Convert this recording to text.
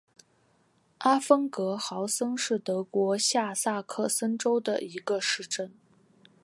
阿芬格豪森是德国下萨克森州的一个市镇。